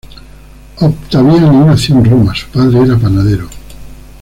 Ottaviani nació en Roma; su padre era panadero.